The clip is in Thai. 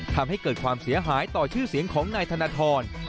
ทำให้เกิดความเสียหายต่อชื่อเสียงของนายธนทร